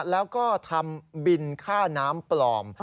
แล้วก็ทำบินค่าน้ำปลอม